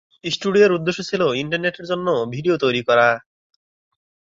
স্টুডিওর উদ্দেশ্য ছিলো ইন্টারনেটের জন্য ভিডিও তৈরী করা।